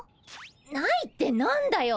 ないって何だよ。